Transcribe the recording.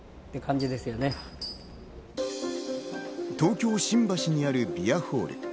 東京・新橋にあるビアホール。